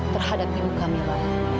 terhadap ibu kamila